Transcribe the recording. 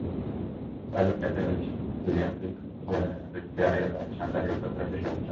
Pilot captain William Whip হুইটেকারের বাড়ির সামনে দাঁড়িয়ে উত্তর খোঁজার চেষ্টা করছি।